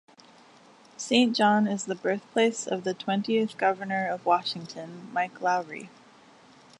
Saint John is the birthplace of the twentieth governor of Washington, Mike Lowry.